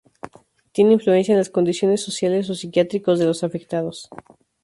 Tiene influencia en las condiciones sociales o psiquiátricos de los afectados.